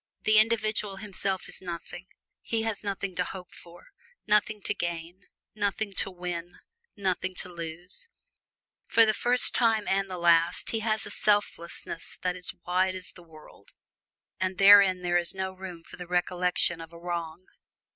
The individual himself is nothing; he has nothing to hope for, nothing to gain, nothing to win, nothing to lose; for the first time and the last he has a selflessness that is wide as the world, and wherein there is no room for the recollection of a wrong.